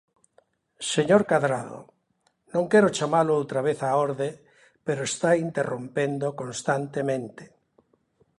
Señor Cadrado, non quero chamalo outra vez á orde, pero está interrompendo constantemente.